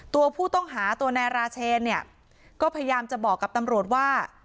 ตัวผู้ต้องหาตัวนายราเชนเนี่ยก็พยายามจะบอกกับตำรวจว่า